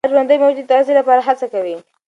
هر ژوندي موجود د تغذیې لپاره هڅه کوي.